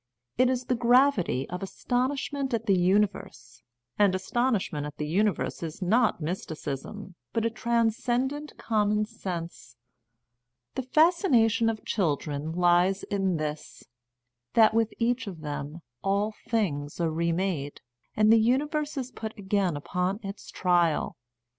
It is the gravity of astonishment at the universe, and as tonishment at the universe is not mysticism, but a transcendent common sense. The fascination of children lies in this : that with each of them all things are remade, and the universe is put again upon its trial.